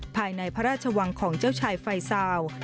ภายในพระราชวังของเจ้าชายไฟซาว